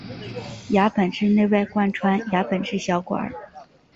牙本质内外贯穿牙本质小管。